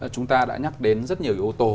chúng ta đã nhắc đến rất nhiều yếu tố